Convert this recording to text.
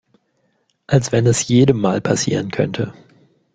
Als wenn es jedem mal passieren könnte.